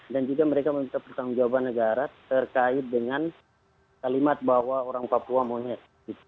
dan juga mereka meminta pertanggung jawab negara terkait dengan kalimat bahwa orang papua monyet